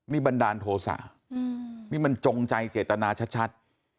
นี่บันดาลโทษะนี่มันจงใจเจตนาชัด